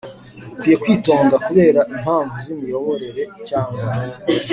Ukwiye kwitonda kubera impamvu z ‘imiyoborere cyangwa